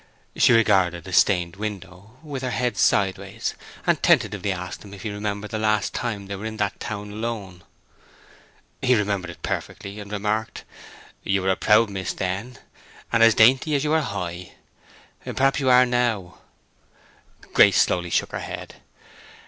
She regarded a stained window, with her head sideways, and tentatively asked him if he remembered the last time they were in that town alone. He remembered it perfectly, and remarked, "You were a proud miss then, and as dainty as you were high. Perhaps you are now?" Grace slowly shook her head.